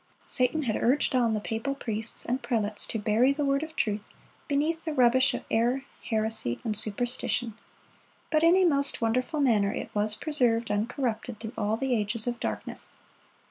Satan had urged on the papal priests and prelates to bury the Word of truth beneath the rubbish of error, heresy, and superstition; but in a most wonderful manner it was preserved uncorrupted through all the ages of darkness.